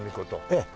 ええ。